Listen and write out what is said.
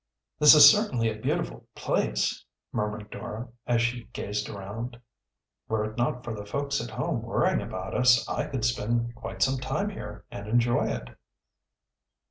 "This is certainly a beautiful place," murmured Dora, as she gazed around. "Were it not for the folks at home worrying about us, I could spend quite some time here and enjoy it."